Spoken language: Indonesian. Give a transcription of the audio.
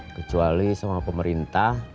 kecuali sama pemerintah